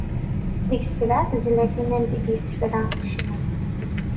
Deg-s sebɛa n tezlatin anda i d-yessefra s ccna.